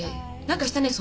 何かしたね